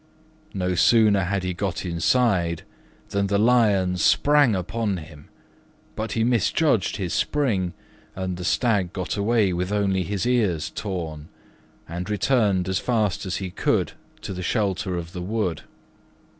No sooner had he got inside than the Lion sprang upon him, but he misjudged his spring, and the Stag got away with only his ears torn, and returned as fast as he could to the shelter of the wood.